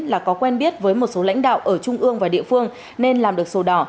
là có quen biết với một số lãnh đạo ở trung ương và địa phương nên làm được sổ đỏ